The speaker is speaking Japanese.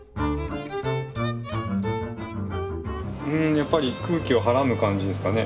やっぱり空気をはらむ感じですかね。